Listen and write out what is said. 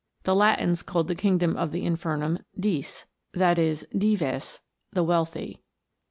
The Latins called the king of the infernum, Dis i.e., Dives, the wealthy.